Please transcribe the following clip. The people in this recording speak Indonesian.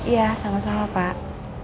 ya sama sama pak